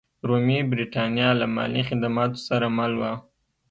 رومي برېټانیا له مالي خدماتو سره مل وه.